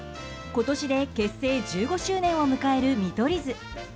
今年で結成１５周年を迎える見取り図。